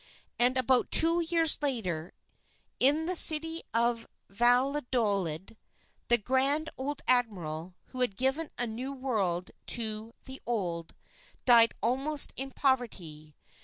And about two years later, in the City of Valladolid, "the Grand Old Admiral," who had given a New World to the Old, died almost in poverty.